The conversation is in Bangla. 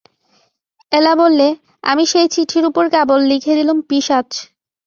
এলা বললে, আমি সেই চিঠির উপর কেবল লিখে দিলুম পিশাচ।